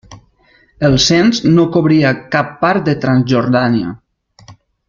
El cens no cobria cap part de Transjordània.